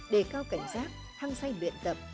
đề cao cảnh giác hăng say luyện tập